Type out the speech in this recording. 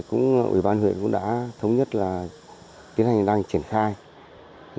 ủy ban huyện cũng đã thống nhất là tiến hành đang triển khai